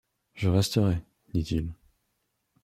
Je resterai, » dit-il.